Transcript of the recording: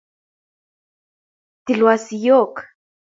tilwa siyoik